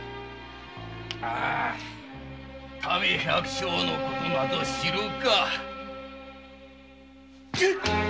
民百姓のことなど知るか